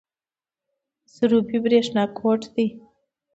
د سروبي بریښنا کوټ دی